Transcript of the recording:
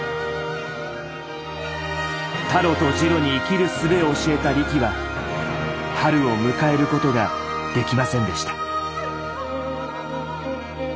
タロとジロに生きるすべを教えたリキは春を迎えることができませんでした。